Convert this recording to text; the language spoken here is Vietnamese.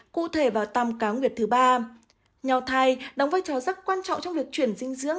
cụ thể vào tăm cáo nguyệt thứ ba nhò thai đóng vai trò rất quan trọng trong việc chuyển dinh dưỡng